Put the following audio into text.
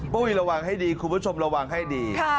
ปุ้ยระวังให้ดีคุณผู้ชมระวังให้ดี